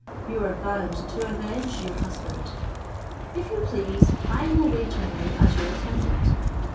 You are bound to avenge your husband. If you please, I will wait on you as your attendant.